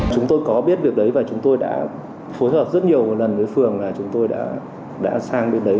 chúng tôi có biết việc đấy và chúng tôi đã phối hợp rất nhiều lần với phường là chúng tôi đã sang bên đấy